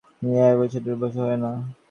হ্যাঁ, বেশি উচ্চাভিলাষী হয়ো না।